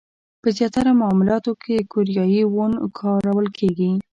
په زیاتره معاملاتو کې کوریايي وون کارول کېږي.